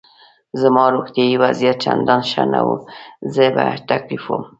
زما روغتیایي وضعیت چندان ښه نه و، زه په تکلیف وم.